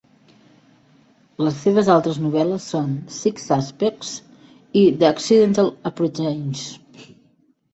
Les seves altres novel·les són "Six Suspects" i "The Accidental Apprentice".